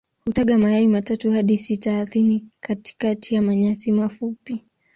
Hutaga mayai matatu hadi sita ardhini katikati ya manyasi mafupi.